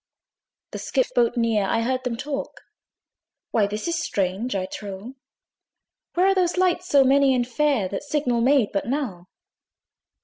The skiff boat neared: I heard them talk, "Why this is strange, I trow! Where are those lights so many and fair, That signal made but now?"